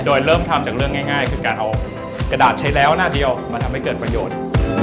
โดยเริ่มทำจากเรื่องง่ายคือการเอากระดาษใช้แล้วหน้าเดียวมาทำให้เกิดประโยชน์